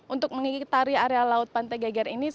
untuk mengikuti area laut pantai geger ini